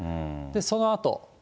そのあと。